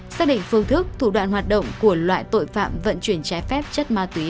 xác định phương thức thủ đoạn hoạt động của loại tội phạm vận chuyển trái phép chất ma túy